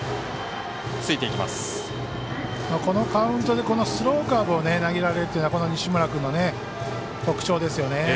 このカウントでスローカーブを投げられるっていうのは西村君の特徴ですよね。